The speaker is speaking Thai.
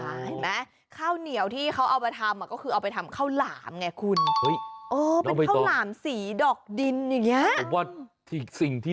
เห็นไหมข้าวเหนียวที่เขาเอาไปทำก็คือเอาไปทำข้าวหลามไงคุณโอ้เป็นข้าวหลามสีดอกดินอย่างเงี้ย